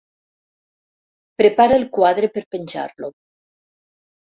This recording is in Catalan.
Prepara el quadre per penjar-lo.